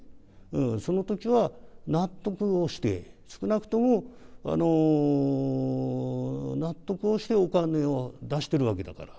そのときは納得をして、少なくとも納得をしてお金を出しているわけだから。